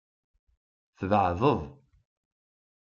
Tbeɛdeḍ.